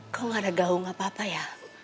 kau gak ada gaung apa apa ya